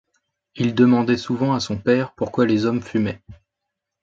Il demandait souvent à son père pourquoi les hommes fumaient.